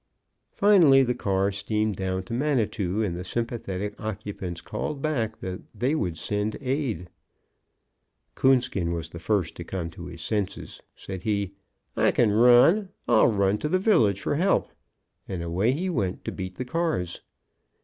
Finally the car steamed down to Manitou, and the sympathetic occupants called back that they would send aid. Coonskin was first to come to his senses. Said he, "I can run, I'll run to the village for help;" and away he went to beat the cars.